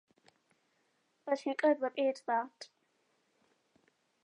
But he could repeat that.